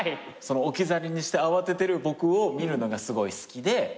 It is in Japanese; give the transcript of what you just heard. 置き去りにして慌ててる僕を見るのがすごい好きで。